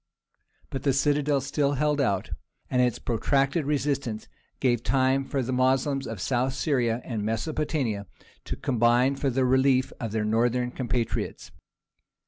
But the citadel still held out, and its protracted resistance gave time for the Moslems of South Syria and Mesopotamia to combine for the relief of their northern compatriots.